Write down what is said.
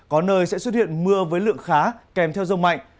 có nơi sẽ xuất hiện mưa với lượng khá kèm theo rông mạnh